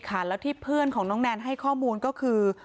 แล้วที่เพื่อนของน้องแนนให้ข้อมูลก็คือ